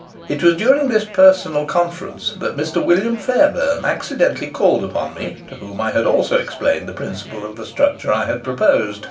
It was during this personal conference that Mr. William Fairbairn accidentally called upon me, to whom I also explained the principles of the structure I had proposed.